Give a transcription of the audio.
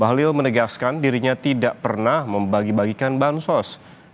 bahlil menegaskan dirinya tidak pernah membagi bagikan bansos